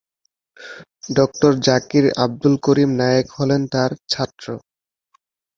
ডঃ জাকির আব্দুল করিম নায়েক হলেন তার ছাত্র।